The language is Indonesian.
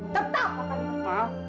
tetap akan menikah